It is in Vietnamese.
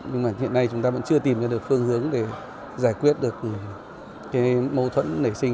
nhưng mà hiện nay chúng ta vẫn chưa tìm ra được phương hướng để giải quyết được cái mâu thuẫn nảy sinh